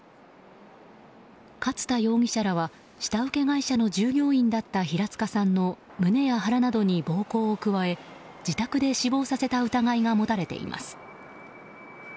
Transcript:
勝田容疑者らは、下請け会社の従業員だった平塚さんの胸や腹などに暴行を加え自宅で死亡させた疑いが持たれています。